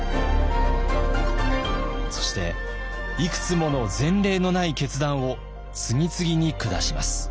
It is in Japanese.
そしていくつもの前例のない決断を次々に下します。